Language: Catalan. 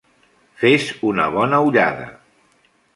Fes una bona ullada.